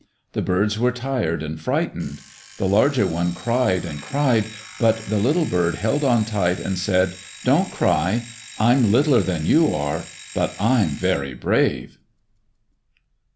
The birds were tired and frightened. The larger one cried and cried, but the little bird held on tight and said, "Don't cry. I 'm littler than you are, but I 'm very brave."